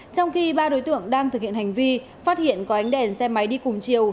trong khi ba đối tượng đang thực hiện hành vi phát hiện có ánh đèn xe máy đi cùng chiều